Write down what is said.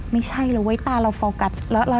ไม่ใช่เลยตาเราโฟกัส